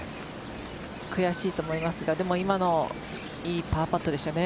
悔しいと思いますが今のいいパーパットでした。